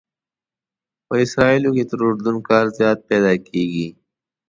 په اسرائیلو کې تر اردن کار زیات پیدا کېږي.